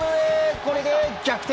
これで逆転。